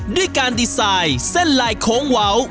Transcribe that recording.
ด้วยการดีไซน์เส้นลายโค้งเว้า